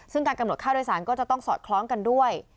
ซึ่งการกำหนดค่าโดยสารก็จะต้องสอดคล้องกันด้วย